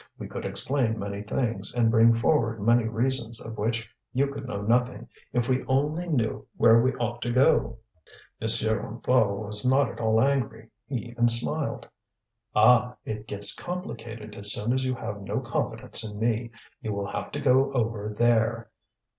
We could explain many things, and bring forward many reasons of which you could know nothing, if we only knew where we ought to go." M. Hennebeau was not at all angry. He even smiled. "Ah! it gets complicated as soon as you have no confidence in me; you will have to go over there."